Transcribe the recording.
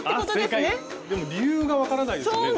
でも理由が分からないですよね